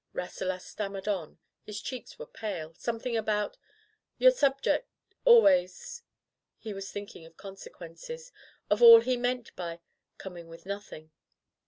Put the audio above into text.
Rasselas stammered on — his cheeks were pale — something about "Your subject — always —" He was thinking of consequences, of all he meant by "com ing with nothing."